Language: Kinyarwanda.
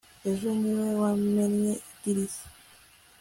ejo ni we wamennye idirishya